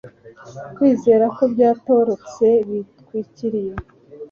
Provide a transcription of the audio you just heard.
Kwizera ko byatorotse bitwikiriye